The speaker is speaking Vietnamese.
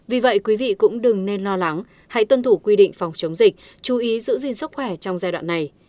vì vậy quý vị cũng đừng nên lo lắng hãy tuân thủ quy định phòng chống dịch chú ý giữ gìn sức khỏe trong giai đoạn này